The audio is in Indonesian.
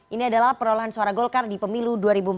ini adalah perolahan suara golkar di pemilu dua ribu empat belas